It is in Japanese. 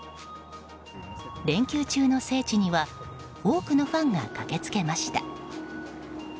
連休中の聖地には多くのファンが駆けつけました。